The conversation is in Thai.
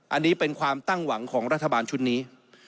อันนี้เป็นความตั้งหวังของรัฐบาลชุดนี้